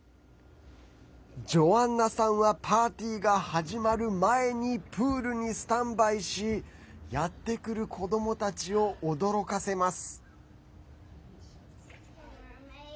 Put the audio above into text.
ジョアンナさんはパーティーが始まる前にプールにスタンバイしやってくる子どもたちを驚かせます。